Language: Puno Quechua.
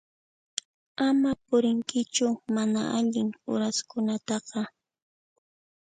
Ama purinkichu mana allin uraskunataqa.